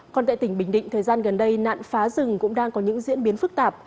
còn tại tỉnh bình định thời gian gần đây nạn phá rừng cũng đang có những diễn biến phức tạp